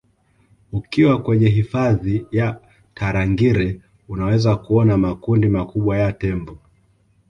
ukiwa kwenye hifadhi ya tarangire unaweza kuona makundi makubwa ya tembo